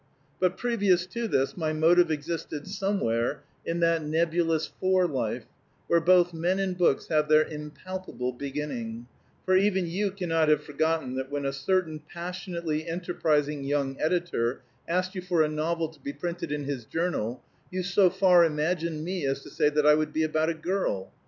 "But previous to this, my motive existed somewhere in that nebulous fore life where both men and books have their impalpable beginning; for even you cannot have forgotten that when a certain passionately enterprising young editor asked you for a novel to be printed in his journal, you so far imagined me as to say that I would be about a girl.